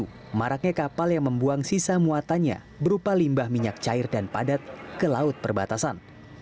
namun di opl ini hanya kapal yang membuang sisa muatannya berupa limbah minyak cair dan padat ke laut perbatasan